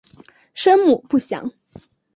生母不详。